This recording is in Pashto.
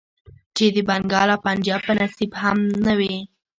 چې د بنګال او پنجاب په نصيب هم نه وې.